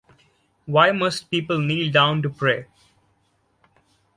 Why must people kneel down to pray?